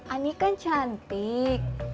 ani kan cantik